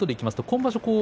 今場所